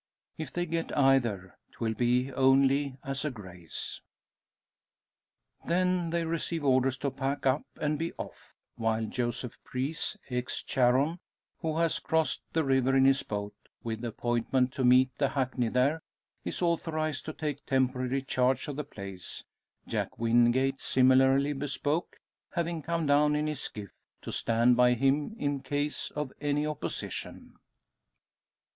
If they get either, 'twill be only as a grace. Then they receive orders to pack up and be off; while Joseph Preece, ex Charon, who has crossed the river in his boat, with appointment to meet the hackney there, is authorised to take temporary charge of the place; Jack Wingate, similarly bespoke, having come down in his skiff, to stand by him in case of any opposition.